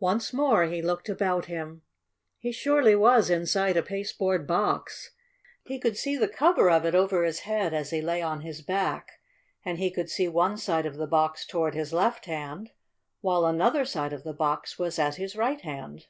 Once more he looked about him. He surely was inside a pasteboard box. He could see the cover of it over his head as he lay on his back, and he could see one side of the box toward his left hand, while another side of the box was at his right hand.